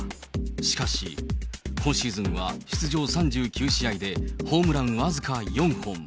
しかし、今シーズンは出場３９試合でホームラン僅か４本。